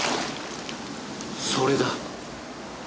それだ！